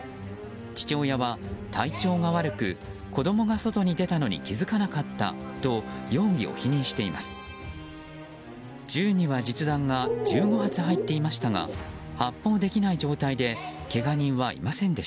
父親は体調が悪く子供が外に出たのに気づかなかったと容疑を否認しています。